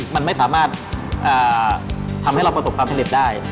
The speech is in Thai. มันไม่สามารถทำให้เราประสบความสำเร็จได้